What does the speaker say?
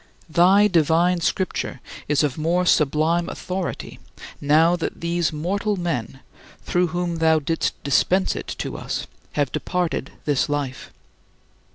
Thy divine Scripture is of more sublime authority now that those mortal men through whom thou didst dispense it to us have departed this life.